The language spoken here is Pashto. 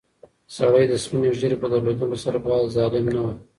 سړی د سپینې ږیرې په درلودلو سره باید ظالم نه وای.